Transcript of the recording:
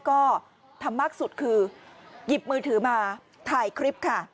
ก็ทำมากสุดคือหยิบมือถือมาถ่ายคลิปค่ะ